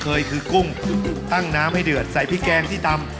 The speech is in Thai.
เคยคือกุ้งตั้งน้ำให้เดือดใส่พริกแกงที่ตำ